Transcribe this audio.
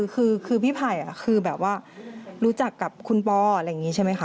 คือพี่ไผ่คือแบบว่ารู้จักกับคุณปออะไรอย่างนี้ใช่ไหมคะ